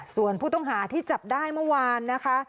ส่วนผู้ต้องหาที่จับได้เมื่อวานนะคะ